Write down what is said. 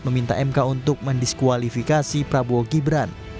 meminta mk untuk mendiskualifikasi prabowo gibran